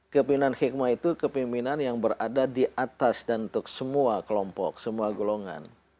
kepimpinan hikmah itu kepimpinan yang berada di atas dan untuk semua kelompok semua golongan